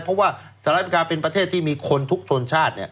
เพราะว่าสหรัฐอเมริกาเป็นประเทศที่มีคนทุกชนชาติ